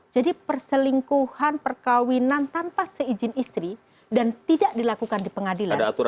jadi perselingkuhan perkawinan tanpa seizin istri dan tidak dilakukan di pengadilan